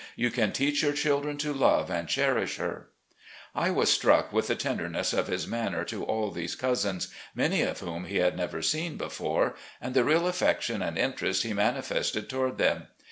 You can teach your children to love and cherish her." I was struck with the tenderness of his maimer to all these cousins, many of whom he had never seen before, and the real affection and interest he manifested toward them.